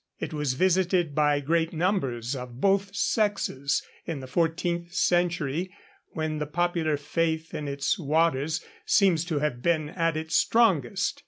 It was visited by great numbers, of both sexes, in the fourteenth century, when the popular faith in its waters seems to have been at its strongest.